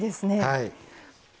はい。